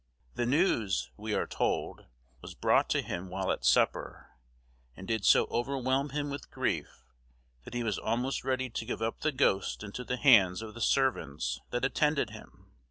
"The news," we are told, "was brought to him while at supper, and did so overwhelm him with grief that he was almost ready to give up the ghost into the hands of the servants that attended him.